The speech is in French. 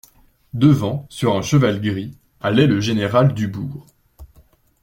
Devant, sur un cheval gris, allait le général Dubourg.